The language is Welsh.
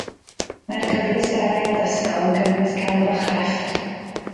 Mae'r cyfleusterau addysgol yn cynnwys celf a chrefft